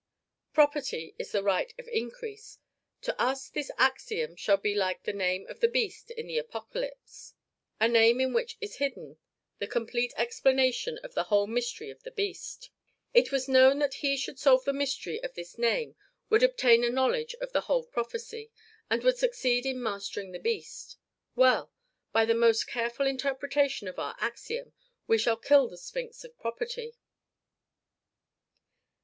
PROPERTY IS THE RIGHT OF INCREASE. To us this axiom shall be like the name of the beast in the Apocalypse, a name in which is hidden the complete explanation of the whole mystery of this beast. It was known that he who should solve the mystery of this name would obtain a knowledge of the whole prophecy, and would succeed in mastering the beast. Well! by the most careful interpretation of our axiom we shall kill the sphinx of property.